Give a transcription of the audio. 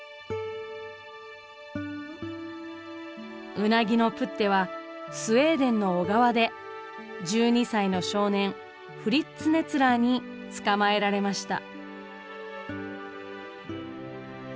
ウナギのプッテはスウェーデンの小川で１２歳の少年フリッツ・ネツラーに捕まえられました。